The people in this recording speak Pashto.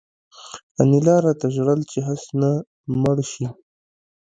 انیلا راته ژړل چې هسې نه مړ شې